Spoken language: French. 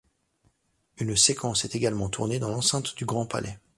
Une séquence est également tournée dans l'enceinte du Grand Palais.